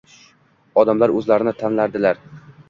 Odamlar o'zlarini tanladilar